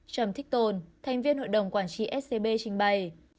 trầm thích tồn thành viên hội đồng quản trị scb trình bày